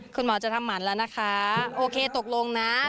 คุณหมอจะทำหมันแล้วนะคะโอเคตกลงนะ